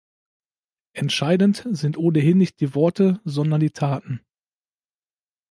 Entscheidend sind ohnehin nicht die Worte, sondern die Taten.